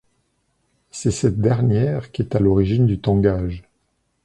C'est cette dernière qui est à l'origine du tangage.